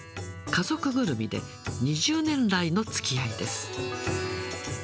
家族ぐるみで２０年来のつきあいです。